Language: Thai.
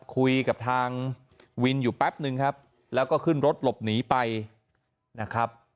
คุยกับทางวินอยู่แป๊บนึงครับแล้วก็ขึ้นรถหลบหนีไปนะครับ